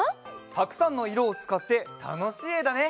たくさんのいろをつかってたのしいえだね。